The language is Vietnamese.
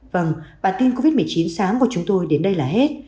vâng bản tin covid một mươi chín sáng của chúng tôi đến đây là hết